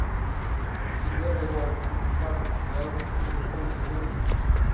Lidera golpe militar no Sudão e depõe primeiro-ministro